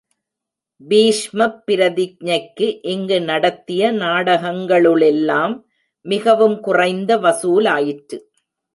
பீஷ்மப் பிரதிக்ஞைக்கு இங்கு நடத்திய நாடகங்களுளெல்லாம் மிகவும் குறைந்த வசூலாயிற்று.